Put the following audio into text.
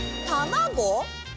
たまご？